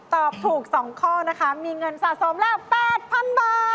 ตอบถูก๒ข้อนะคะมีเงินสะสมแล้ว๘๐๐๐บาท